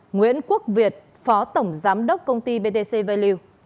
nguyễn quốc việt phó tổng giám đốc công ty btc value